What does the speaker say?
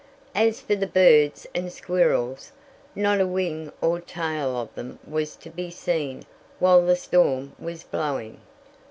As for the birds and squirrels, not a wing or tail of them was to be seen while the storm was blowing.